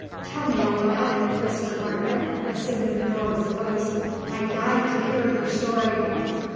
"Tell me all about it," whispered Margaret as soon as the door was closed. "I die to hear your story."